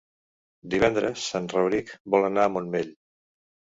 Divendres en Rauric vol anar al Montmell.